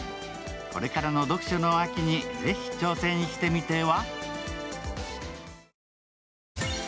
これからの読書の秋にぜひ挑戦してみては？